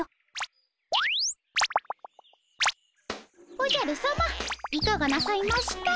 おじゃるさまいかがなさいました？